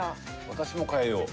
「私も変えよう」。